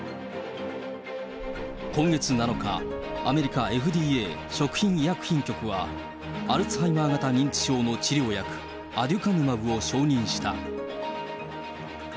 今月７日、アメリカ、ＦＤＡ・食品医薬品局はアルツハイマー型の認知症の治療薬、アデュカヌマブを承認した。